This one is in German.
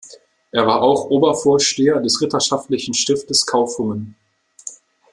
Er war auch Obervorsteher des Ritterschaftlichen Stiftes Kaufungen.